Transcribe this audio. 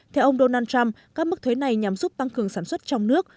theo ông donald trump các mức thuế này nhằm giúp tăng cường sản xuất trong nước